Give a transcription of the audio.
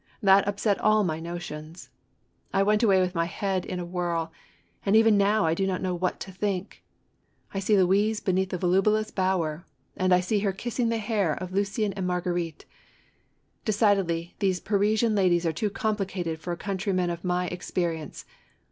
That upset all my notions! I went away with my head in a whirl, and even now I know not what to think! I see Louise be neath the volubilis bower and I see her kissing the hair of Liicien and Marguerite! Decidedly, these Parisian ladies are too complicated for a countryman of my ex perience